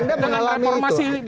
anda mengalami itu